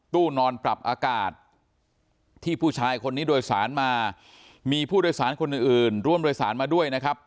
นอนปรับอากาศที่ผู้ชายคนนี้โดยสารมามีผู้โดยสารคนอื่นอื่นร่วมโดยสารมาด้วยนะครับ